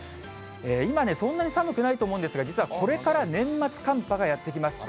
今、そんなに寒くないと思うんですが、実はこれから年末寒波がやって来ます。